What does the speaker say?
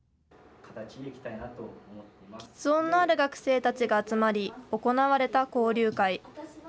きつ音のある学生たちが集まり、行われた交流会。